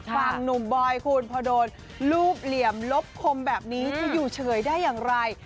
ฝั่งหนุ่มบอยคุณพอโดนรูปเหลี่ยมลบคมแบบนี้จะอยู่เฉยได้อย่างไร